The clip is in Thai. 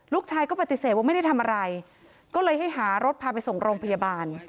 ลูกชายก็ปฏิเสธว่าไม่ได้ทำอะไรก็เลยให้หารถพาไปส่งโรงพยาบาล